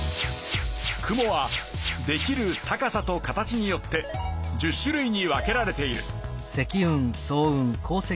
雲はできる高さと形によって１０種類に分けられている。